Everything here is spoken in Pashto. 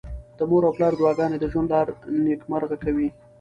د مور او پلار دعاګانې د ژوند لاره نېکمرغه کوي.